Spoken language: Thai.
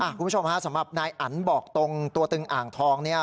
คุณผู้ชมฮะสำหรับนายอันบอกตรงตัวตึงอ่างทองเนี่ย